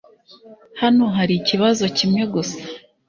Hano hari ikibazo kimwe gusa .